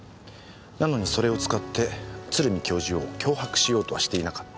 なのにそれを使って鶴見教授を脅迫しようとはしていなかった。